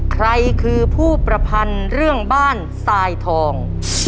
ใครคือผู้ประพันธ์เรื่องบ้านทรายทอง